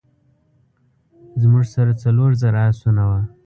زموږ سره څلور زره آسونه وه.